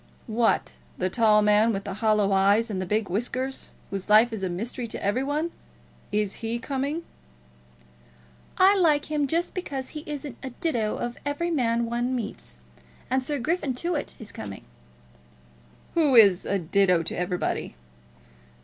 "What, the tall man with the hollow eyes and the big whiskers, whose life is a mystery to every one? Is he coming?" "I like him, just because he isn't a ditto to every man one meets. And Sir Griffin Tewett is coming." "Who is a ditto to everybody."